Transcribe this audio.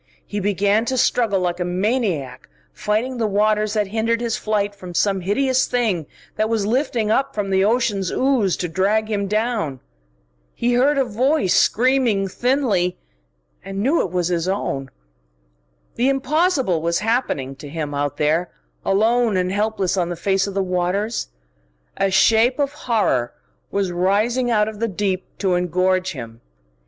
He began to struggle like a maniac, fighting the waters that hindered his flight from some hideous thing that was lifting up from the ocean's ooze to drag him down. He heard a voice screaming thinly, and knew it was his own. The impossible was happening to him, out there, alone and helpless on the face of the waters. A shape of horror was rising out of the deep to engorge him.